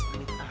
ini keren sih